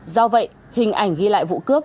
do vậy hình ảnh ghi lại vụ cướp